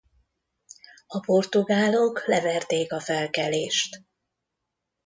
A portugálok leverték a felkelést.